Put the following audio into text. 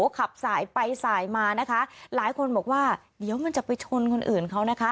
ขับสายไปสายมานะคะหลายคนบอกว่าเดี๋ยวมันจะไปชนคนอื่นเขานะคะ